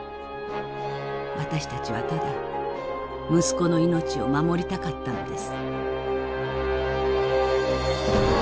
私たちはただ息子の命を守りたかったのです」。